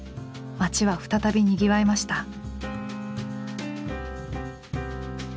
街は再びにぎわいました。